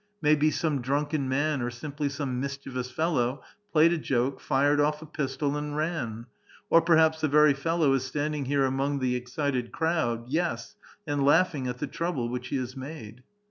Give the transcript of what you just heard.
May be some drunken man, or simply some mischievous fellow, played a joke, fired off a pistol, and ran ; or perhaps the very fellow is standing here among the excited crowd, yes, and laughing at the trouble which he has made."